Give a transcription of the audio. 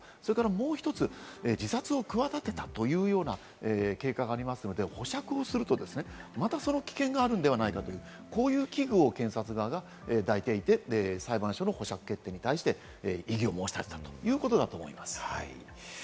もう１つ自殺を企てたというような経過がありますので保釈をするとまたその危険があるのではないかという危惧を検察側が抱いていて、裁判所の保釈決定に対して異議を申し立てたということだと思います。